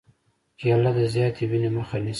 کېله د زیاتې وینې مخه نیسي.